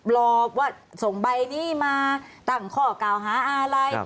รอว่าส่งใบนี้มาตั้งข้อกล่าวหาอะไร